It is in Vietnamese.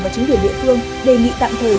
và chính quyền địa phương đề nghị tạm thời